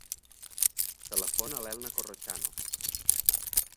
Telefona a l'Elna Corrochano.